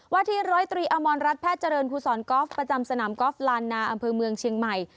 วาที๑๐๓อรัฐแพทย์เจริญครูสอนก๊อฟประจำสนามก๊อฟลานนาอำเภอเมืองเชียงใหม่